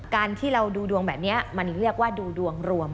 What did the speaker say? การที่เราดูดวงแบบนี้มันเรียกว่าดูดวงรวม